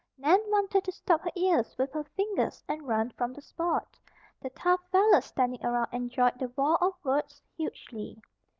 Nan wanted to stop her ears with her fingers and run from the spot. The tough fellows standing around enjoyed the war of words hugely.